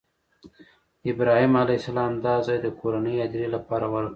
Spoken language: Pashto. ابراهیم علیه السلام دا ځای د کورنۍ هدیرې لپاره غوره کړی و.